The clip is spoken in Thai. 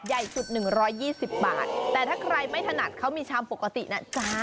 ใหญ่สุด๑๒๐บาทแต่ถ้าใครไม่ถนัดเขามีชามปกตินะจ๊ะ